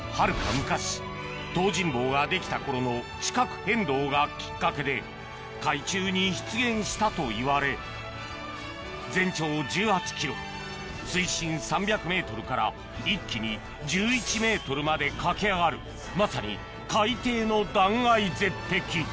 昔東尋坊ができた頃の地殻変動がきっかけで海中に出現したといわれ全長１８ｋｍ水深３００ｍから一気に１１ｍまで駆け上がるまさに海底の断崖絶壁